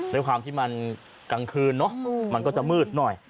ด้วยความที่มันกลางคืนเนอะมันก็จะมืดหน่อย